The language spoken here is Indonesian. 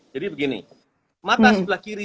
jadi begini mata sebelah kiri